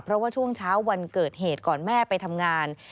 เพราะว่าช่วงเช้าวันเกิดเหตุก่อนแม่ไปทำงาน